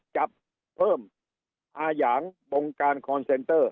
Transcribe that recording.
จับเพิ่มอาหยังปกรณ์คอนเซ็นเตอร์